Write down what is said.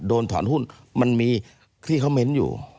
โดนถอนหุ้นมันมีที่เขาเม้นต์อยู่